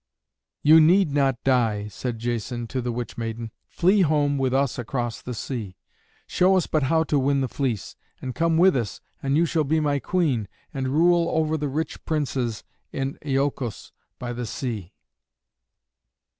"You need not die," said Jason to the witch maiden. "Flee home with us across the sea. Show us but how to win the fleece, and come with us and you shall be my queen, and rule over the rich princes in Iolcos by the sea."